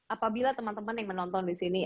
apabila teman teman yang menonton disini